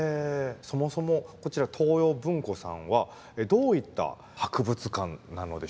そもそもこちら東洋文庫さんはどういった博物館なのでしょうか？